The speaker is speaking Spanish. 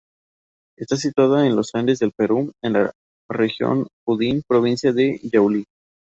Está situada en los Andes del Perú, en la Región Junín, provincia de Yauli.